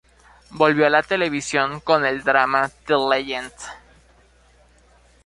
Volvió a la televisión con el drama The Legend.